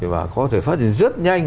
và có thể phát triển rất nhanh